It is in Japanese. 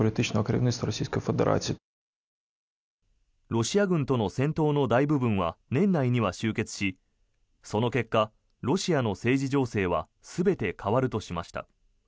ロシア軍との戦闘の大部分は年内には終結しその結果、ロシアの政治情勢は全て変わるとしました。